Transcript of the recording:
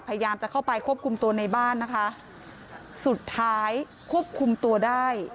พยายามจะเข้าไปควบคุมตัวในบ้านนะคะสุดท้ายควบคุมตัวได้